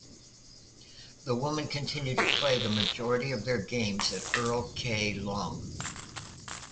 The women continue to play the majority of their games at Earl K. Long.